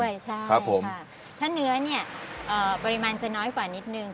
ถ้าเนื้อเนี่ยปริมาณจะน้อยกว่านิดนึง